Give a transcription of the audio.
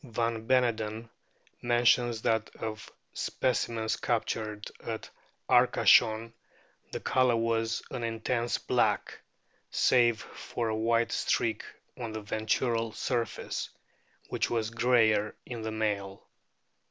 Van Beneden mentions that of specimens captured at Arcachon the colour was an intense black save for a white streak on the ventral surface, which was greyer in the male.